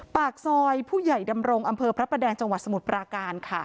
ปากซอยผู้ใหญ่ดำรงอำเภอพระประแดงจังหวัดสมุทรปราการค่ะ